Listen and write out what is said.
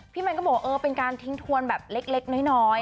พี่แมนก็บอกว่าเป็นการทิ้งทวนแบบเล็กน้อย